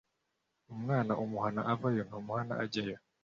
Umwana umuhana avayo ntumuhana ajyayo.